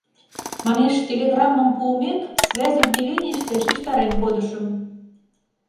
— Манеш, телеграммым пуымек, связь отделенийыште шижтарен кодышым.